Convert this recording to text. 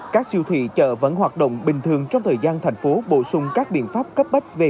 các siêu thị chợ vẫn hoạt động bình thường trong thời gian thành phố bổ sung các biện pháp cấp bách về